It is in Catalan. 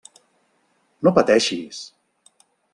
No pateixis.